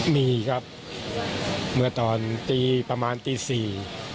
มีครับเมื่อตอนตีประมาณตีสี่